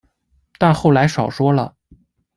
但后来少说了